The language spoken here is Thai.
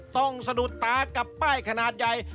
สะดุดตากับป้ายขนาดใหญ่